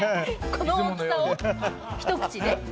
この大きさをひと口で？